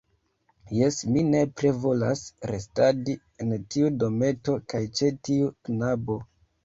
Jes, mi nepre volas restadi en tiu dometo kaj ĉe tiu knabo.